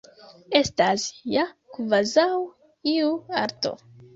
Estas ja kvazaŭ iu arto.